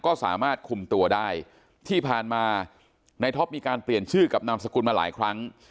ก็สามารถคุมตัวได้ที่ผ่านมาในท็อปมีการเปลี่ยนชื่อกับนามสกุลมาหลายครั้ง